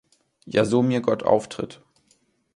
Jasomirgott auftritt.